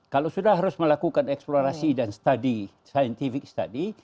kalau sudah harus melakukan eksplorasi dan study scientific study